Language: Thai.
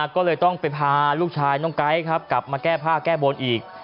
ก็เลยต้องไปพาลูกชายน้องไก๊กลับมาแก้ผ้าแก้บนอีก